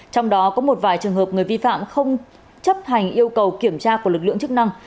trong đó có một vài trường hợp người vi phạm không chấp hành yêu cầu kiểm tra của lực lượng chức năng